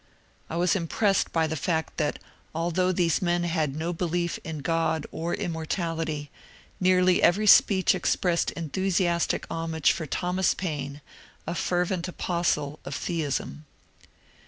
I was impressed by the fact that although these men had no belief in Grod or immortality, nearly every speech expressed enthu siastic homage for Thomas Paine, a fervent apostle of theism.